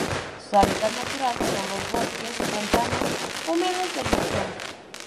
Su hábitat natural son los bosques montanos húmedos de Luzón.